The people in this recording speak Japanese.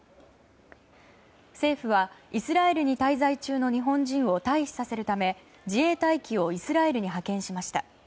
政府はイスラエルに滞在中の日本人を退避させるため自衛隊機をイスラエルに派遣しました。